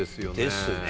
ですね